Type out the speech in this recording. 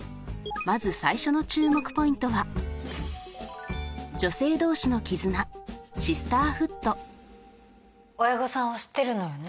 まず最初の注目ポイントは親御さんは知ってるのよね